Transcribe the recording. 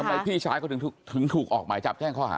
เออทำไมพี่ชายเขาถึงถูกออกไม้จับแจ้งข้อหา